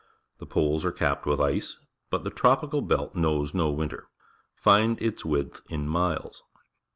The poles are capped with ice, but the tropical belt knows no winter. Find its width in miles.